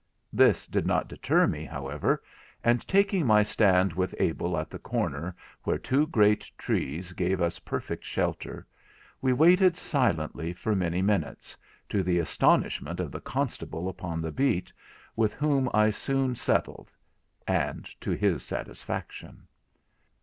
This did not deter me, however, and, taking my stand with Abel at the corner where two great trees gave us perfect shelter, we waited silently for many minutes, to the astonishment of the constable upon the beat, with whom I soon settled; and to his satisfaction.